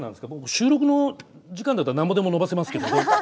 収録の時間だったらなんぼでも延ばせますけど。